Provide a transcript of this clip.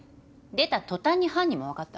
出た途端に犯人も分かったわ。